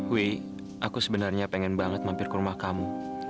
wi aku sebenarnya pengen banget mampir ke rumah kamu